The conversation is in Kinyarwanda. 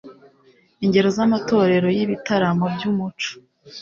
ingero z'amatorero y'ibitaramo by'umuco